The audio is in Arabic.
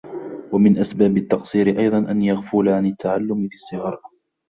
وَمِنْ أَسْبَابِ التَّقْصِيرِ أَيْضًا أَنْ يَغْفُلَ عَنْ التَّعَلُّمِ فِي الصِّغَرِ